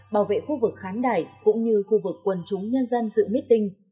bảo vệ khu vực kháng đải cũng như khu vực quần chúng nhân dân dự mít tinh